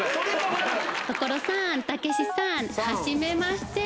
所さん、たけしさん、はじめまして。